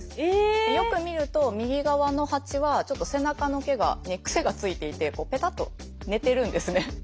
よく見ると右側のハチはちょっと背中の毛がね癖がついていてペタッと寝てるんですね。